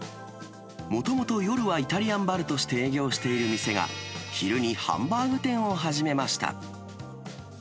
もともと夜はイタリアンバルとして営業している店が、昼にハンバーグ店を始めました。